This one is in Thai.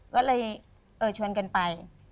ก็เลยชวนกันไป